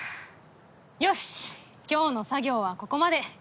よし今日の作業はここまで。